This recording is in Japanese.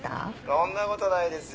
そんなことないですよ。